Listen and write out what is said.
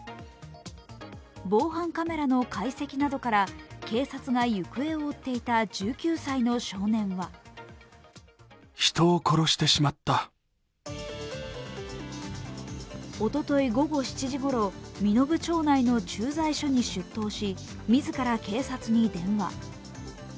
防犯カメラの解析などから警察が行方を追っていた１９歳の少年はおととい午後７時ごろ、身延町内の駐在所に出頭し自ら警察に電話。